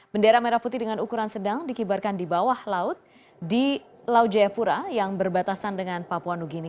bendera merah putih dengan ukuran sedang dikibarkan di bawah laut di laut jayapura yang berbatasan dengan papua new guine